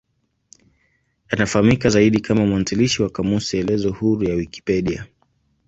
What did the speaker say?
Anafahamika zaidi kama mwanzilishi wa kamusi elezo huru ya Wikipedia.